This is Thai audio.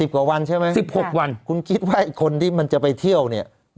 ๑๐กว่าวันใช่ไหมคุณคิดว่าคนที่มันจะไปเที่ยวเนี่ย๑๖วัน